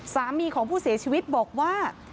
สามีของผู้เสียชีวิตบอกว่า